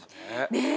ねえ